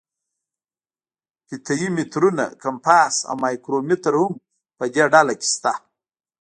فیته یي مترونه، کمپاس او مایکرومتر هم په دې ډله کې شته.